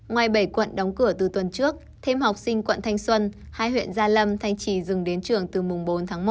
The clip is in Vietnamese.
ngoài bảy quận đóng cửa từ tuần trước thêm học sinh quận thanh xuân hai huyện gia lâm thanh trì dừng đến trường từ mùng bốn tháng một